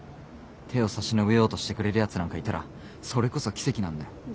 手を差し伸べようとしてくれるやつなんかいたらそれこそ奇跡なんだよ。